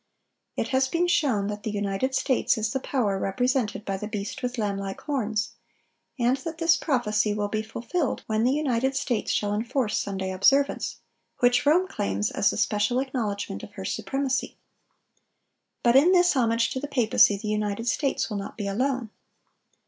(1017) It has been shown that the United States is the power represented by the beast with lamb like horns, and that this prophecy will be fulfilled when the United States shall enforce Sunday observance, which Rome claims as the special acknowledgment of her supremacy. But in this homage to papacy the United States will not be alone.